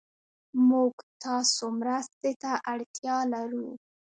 موږ تاسو مرستې ته اړتيا لرو